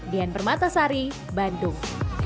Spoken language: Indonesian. dian bermata sari bandung